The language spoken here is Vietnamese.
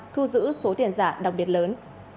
thu giữ số tiền giả đồng biệt lớn